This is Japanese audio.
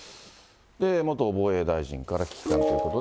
元防衛大臣から危機感ということで。